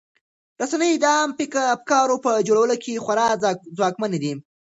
رسنۍ د عامه افکارو په جوړولو کې خورا ځواکمنې دي.